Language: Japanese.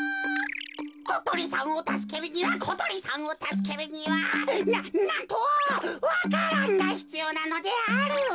ことりさんをたすけるにはことりさんをたすけるにはななんとわか蘭がひつようなのである。